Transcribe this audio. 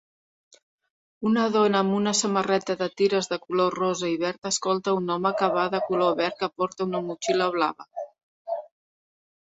Una dona amb una samarreta de tires de color rosa i verd escolta a un home que va de color verd que porta una motxilla blava.